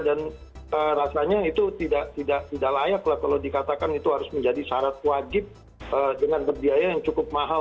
dan rasanya itu tidak layak lah kalau dikatakan itu harus menjadi syarat wajib dengan berbiaya yang cukup mahal